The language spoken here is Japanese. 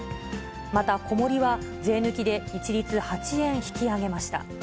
また小盛は、税抜きで一律８円引き上げました。